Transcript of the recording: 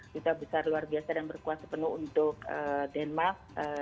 pembesar luar biasa dan berkuasa penuh untuk denmark